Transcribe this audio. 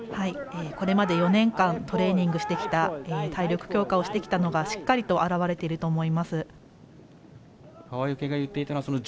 これまで４年間トレーニングしてきた体力強化をしてきたのがしっかりと表れていると思います。